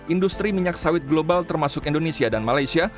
industri minyak sawit global termasuk indonesia dan malaysia